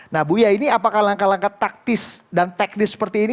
nah buya ini apakah langkah langkah taktis dan teknis seperti ini